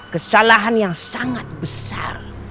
kesalahan yang sangat besar